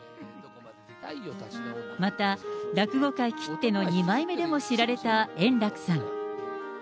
また落語界きっての二枚目でも知られた円楽さん。